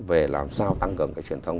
về làm sao tăng cầm cái truyền thông